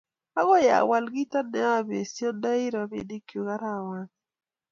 Agoi awal kito ne aboisiondoi robinikchu arawet ni